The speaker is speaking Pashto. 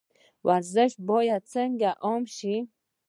ورزش باید څنګه عام شي؟